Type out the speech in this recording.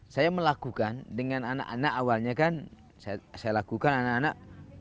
saya melakukan dengan anak anak awalnya kan saya lakukan anak anak